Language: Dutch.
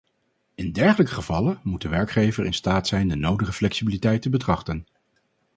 In dergelijke gevallen moet de werkgever in staat zijn de nodige flexibiliteit te betrachten.